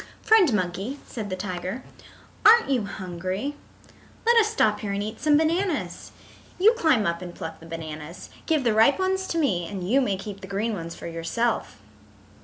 "Friend Monkey," said the tiger, "aren't you hungry? Let us stop here and eat some bananas. You climb up and pluck the bananas. Give the ripe ones to me and you may keep the green ones for yourself."